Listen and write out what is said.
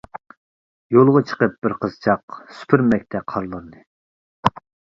يولغا چىقىپ بىر قىزچاق، سۈپۈرمەكتە قارلارنى.